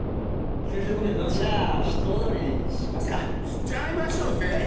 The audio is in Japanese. しちゃいましょう先生